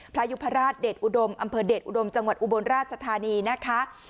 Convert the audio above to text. ยุพราชเดชอุดมอำเภอเดชอุดมจังหวัดอุบลราชธานีนะคะ